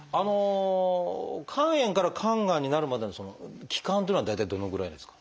肝炎から肝がんまでになるまでの期間っていうのは大体どのぐらいですか？